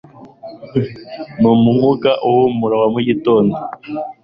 numwuka uhumura wa mugitondo